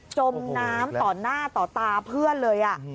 จมน้ำต่อหน้าต่อตาเพื่อนเลย